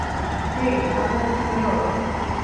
হেই, আমি একজন মেয়র।